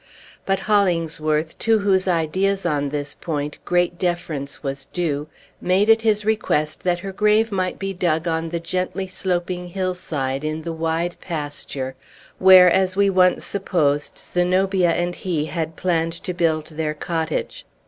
But Hollingsworth (to whose ideas on this point great deference was due) made it his request that her grave might be dug on the gently sloping hillside, in the wide pasture, where, as we once supposed, Zenobia and he had planned to build their cottage.